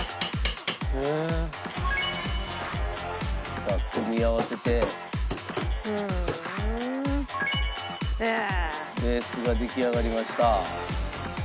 「さあ組み合わせて」「ふーん」「ベースが出来上がりました」